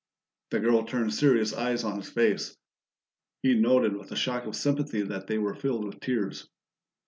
The girl turned serious eyes on his face; he noted with a shock of sympathy that they were filled with tears.